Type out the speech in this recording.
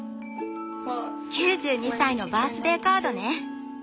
９２歳のバースデーカードね。